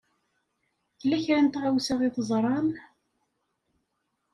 Tella kra n tɣawsa i teẓṛam?